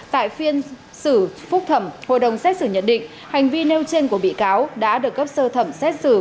tại phiên xử phúc thẩm hội đồng xét xử nhận định hành vi nêu trên của bị cáo đã được cấp sơ thẩm xét xử